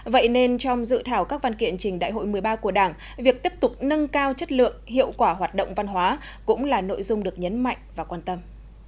vậy nên trong dự thảo các văn kiện trình đại hội một mươi ba của đảng việc tiếp tục nâng cao chất lượng hiệu quả hoạt động văn hóa cũng là nội dung được nhấn mạnh và quan tâm